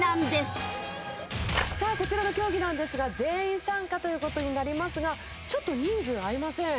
こちらの競技なんですが全員参加という事になりますがちょっと人数合いません。